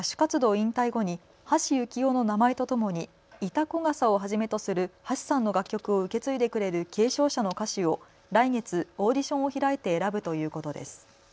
引退後に橋幸夫の名前とともに潮来笠をはじめとする橋さんの楽曲を受け継いでくれる継承者の歌手を来月、オーディションを開いて選ぶということです。